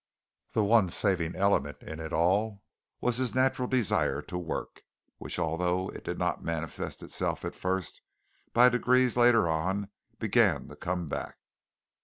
The one saving element in it all was his natural desire to work, which, although it did not manifest itself at first, by degrees later on began to come back.